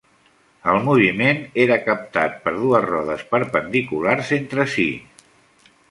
El moviment era captat per dues rodes perpendiculars entre si.